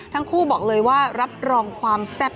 ทั้งคู่บอกเลยว่ารับรองความแซ่บ